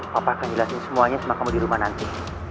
papa akan jelasin semuanya sama kamu di rumah nanti